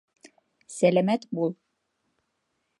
— Сәләмәт бул!